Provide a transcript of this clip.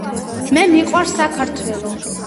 სიყვარული ყველაზე კარგი გრძნობაა